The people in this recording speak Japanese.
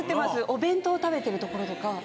お弁当食べてるところとか。